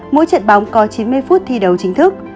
mỗi trận bóng có chín mươi phút thi đấu chính thức